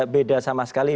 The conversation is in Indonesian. beda sama sekali